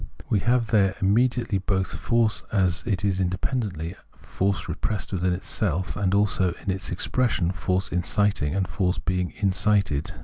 We have there immediately both force as it is independently, force repressed within itself, and also its expression, force inciting and force being incited.